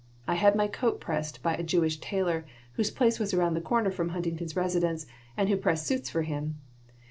I had my coat pressed by a Jewish tailor whose place was around the corner from Huntington's residence and who pressed his suits for him.